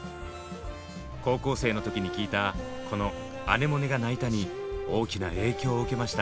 高校生の時に聴いたこの「アネモネが鳴いた」に大きな影響を受けました。